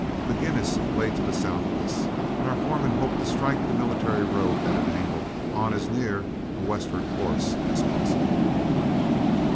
Maginnis lay to the south of us, and our foreman hoped to strike the military road at an angle on as near a westward course as possible.